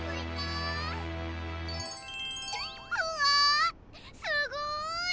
うわすごい！